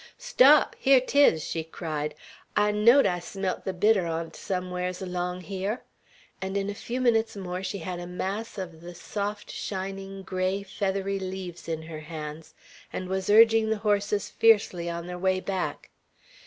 "Stop! Here 'tis!" she cried. "I knowed I smelt the bitter on 't somewhars along hyar;" and in a few minutes more she had a mass of the soft, shining, gray, feathery leaves in her hands, and was urging the horses fiercely on their way back.